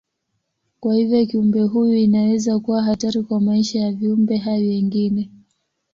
Kwa hivyo kiumbe huyu inaweza kuwa hatari kwa maisha ya viumbe hai wengine.